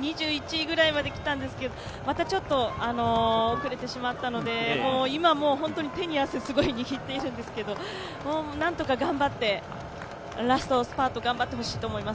２１位ぐらいまできたんですけどまた遅れてしまったので今、本当に手に汗をすごい握っているんですけど、ラストスパート頑張ってほしいと思います。